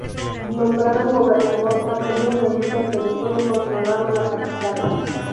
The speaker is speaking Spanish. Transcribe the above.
Nombraron gobernador a Pedro Molina, pero sólo controlaron la capital.